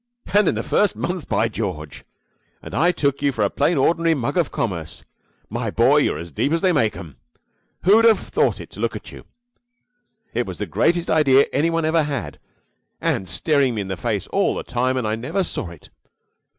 And in the first month by George! And I took you for the plain, ordinary mug of commerce! My boy, you're as deep as they make 'em. Who'd have thought it, to look at you? It was the greatest idea any one ever had and staring me in the face all the time and I never saw it!